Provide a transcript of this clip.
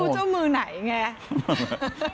ไม่รู้เจ้ามือไหนไง